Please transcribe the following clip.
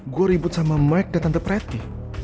gue ribut sama mike dan tante preti